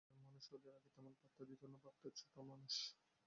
এলাকার মানুষ ওদের আগে তেমন পাত্তা দিত না, ভাবত ছোট মানুষ।